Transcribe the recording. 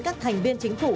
các thành viên chính phủ